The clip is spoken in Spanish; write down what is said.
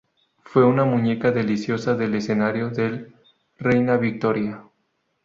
Fue una muñeca deliciosa del escenario del Reina Victoria.